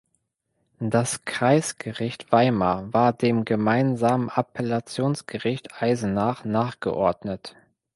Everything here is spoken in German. Das Kreisgericht Weimar war dem gemeinsamen Appellationsgericht Eisenach nachgeordnet.